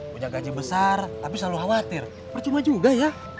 punya gaji besar tapi selalu khawatir percuma juga ya